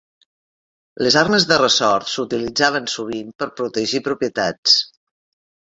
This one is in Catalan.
Les armes de ressort s'utilitzaven sovint per protegir propietats.